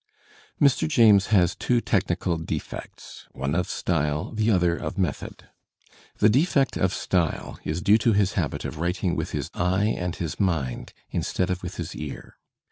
Mr. James has two technical defects, one of style, the other of method. The defect of style is due to his habit of writing with his eye and his mind instead of with his ear.